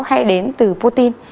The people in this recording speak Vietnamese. hay đến từ protein